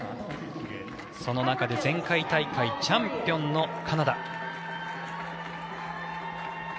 その中で前回大会チャンピオンのカナダ。